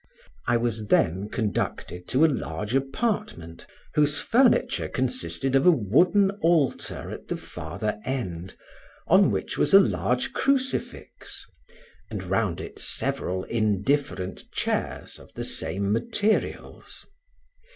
I was then conducted to a large apartment, whose furniture consisted of a wooden altar at the farther end, on which was a large crucifix, and round it several indifferent chairs, of the same materials.